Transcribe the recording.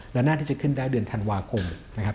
และหน้าที่จะขึ้นได้เดือนธันวาคมนะครับ